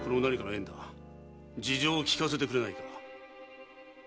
事情を聞かせてくれないか。